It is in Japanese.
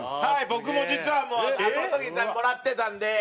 僕も実はもうあの時もらってたんで。